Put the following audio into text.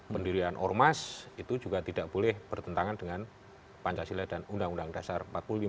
pendirian ormas itu juga tidak boleh bertentangan dengan pancasila dan undang undang dasar empat puluh lima